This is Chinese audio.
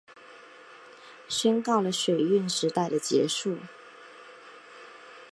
宣告了水运时代的结束